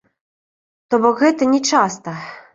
То бок гэта не часта.